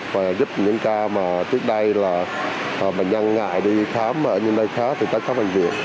và giúp những ca mà trước đây là bệnh nhân ngại đi khám ở những nơi khác thì các khám bệnh viện